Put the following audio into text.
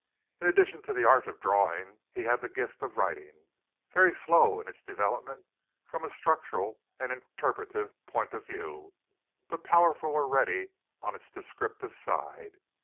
In addition to the art of drawing he had the gift of writing very slow in its development from a structural and interpretative point of view, but powerful already on its descriptive side.